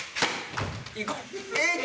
行こう１！